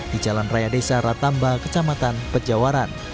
di jalan raya desa ratamba kecamatan pejawaran